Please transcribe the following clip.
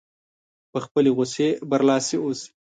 په خپلې غوسې برلاسی اوسي.